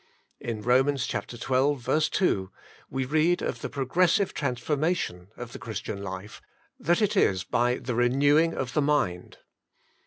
In Eomans xii. 2 we read of the progressive transformation of the Christian life, that it is by " THE Eenewing op the Mind.''